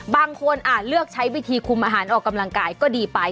บางคนอาจเลือกใช้วิธีคุมอาหารออกกำลังกายก็ดีไป